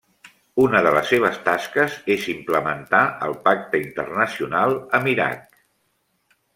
Una de les seves tasques és implementar el Pacte Internacional amb Iraq.